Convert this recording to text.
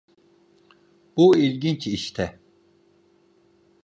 Bu ilginç işte.